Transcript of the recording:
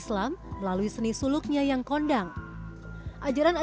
lagi yang lemre